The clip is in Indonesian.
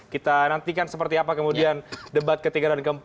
kita nantikan seperti apa kemudian debat ke tiga dan ke empat